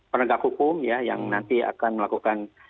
penegak hukum ya yang nanti akan melakukan